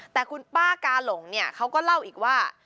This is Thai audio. แต่คุณป้ากาหลงเนี่ยเขาก็เล่าอีกว่า